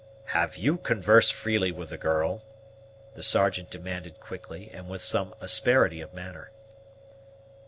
"Have you conversed freely with the girl?" the Sergeant demanded quickly, and with some asperity of manner.